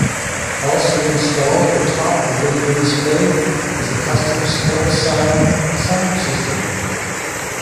Also installed atop the video display is a custom Sportsound sound system.